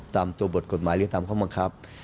ตามตัวบทกฎหมายหรือตามข้อบังคับ